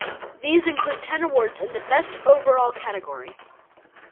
These include ten awards in the "Best Overall" category.